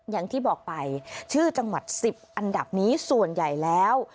อย่างที่บอกไปชื่อจังหวัด๑๐อันดับนี้ส่วนใหญ่แล้ว